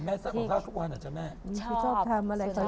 อ๋อแม่ใส่ของข้าวทุกวันอะจ๊ะแม่